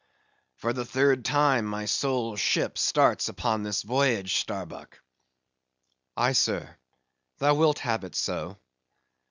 "For the third time my soul's ship starts upon this voyage, Starbuck." "Aye, sir, thou wilt have it so."